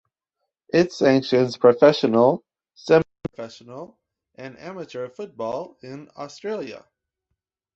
It sanctions professional, semi-professional and amateur football in Australia.